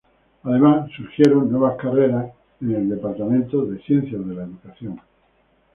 Además, surgieron nuevas carreras en el Departamento de Ciencias de la Educación.